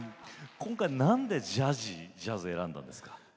今回、なんでジャジージャズを選んだんですか？